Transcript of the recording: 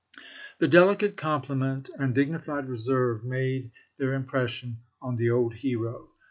ovks. The delicate compliment and dignified reserve made their impression on the old hero.